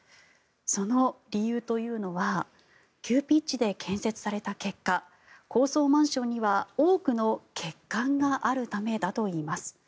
その理由というのは急ピッチで建設された結果高層マンションには多くの欠陥があるためだといいます。